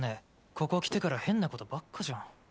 ここ来てから変なことばっかじゃん。